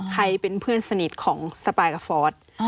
ใครเป็นเพื่อนสนิทของสปายกับฟอร์ส